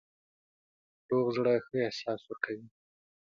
روغ زړه ښه احساس ورکوي.